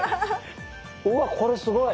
うわこれすごい！